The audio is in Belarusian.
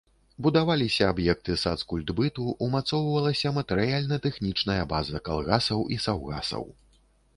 Будаваліся аб'екты сацкультбыту, умацоўвалася матэрыяльна-тэхнічная база калгасаў і саўгасаў.